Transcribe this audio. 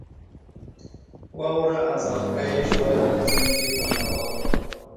واوره ازانګه یې شوه له ځمکې په هوا